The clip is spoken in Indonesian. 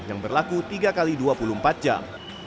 yang berlaku tiga x dua puluh empat jam